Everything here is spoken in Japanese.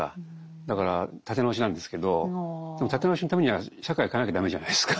だから立て直しなんですけどでも立て直しのためには社会を変えなきゃ駄目じゃないですか。